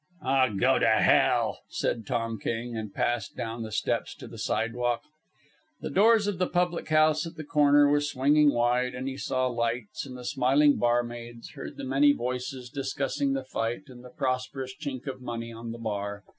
"Aw, go to hell!" said Tom King, and passed down the steps to the sidewalk. The doors of the public house at the corner were swinging wide, and he saw the lights and the smiling barmaids, heard the many voices discussing the fight and the prosperous chink of money on the bar.